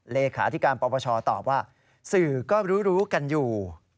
เลขาธิการปปชตอบว่าสื่อก็รู้กันอยู่